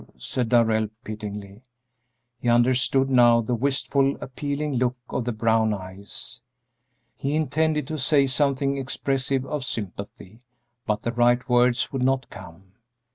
said Darrell, pityingly. He understood now the wistful, appealing look of the brown eyes. He intended to say something expressive of sympathy, but the right words would not come.